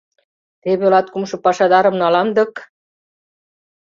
Теве латкумшо пашадарым налам дык...